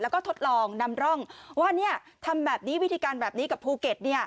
แล้วก็ทดลองนำร่องว่าทำแบบนี้วิธีการแบบนี้กับภูเก็ต